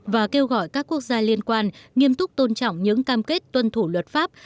và kêu gọi các quốc gia liên quan nghiêm túc tôn trọng những cam kết tuân thủ luật pháp